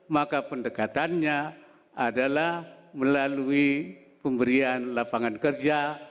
maka pendekatannya adalah melalui pemberian lapangan kerja